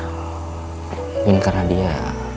mungkin karena dia